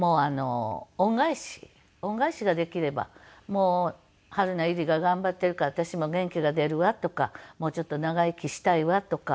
もう榛名由梨が頑張っているから私も元気が出るわとかもうちょっと長生きしたいわとか。